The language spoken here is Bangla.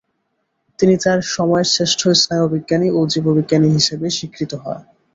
তিনি তাঁর সময়ের শ্রেষ্ঠ স্নায়ুবিজ্ঞানী ও জীববিজ্ঞানী হিসাবে স্বীকৃত হয়।